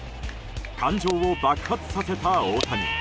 感情を爆発させた大谷。